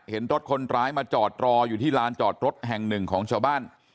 เห็นรถคนร้ายมาจอดรออยู่ที่ลานจอดรถแห่งหนึ่งของชาวบ้าน